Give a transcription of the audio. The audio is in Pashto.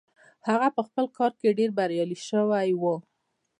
هغه په خپل کار کې ډېر بريالي شوی و.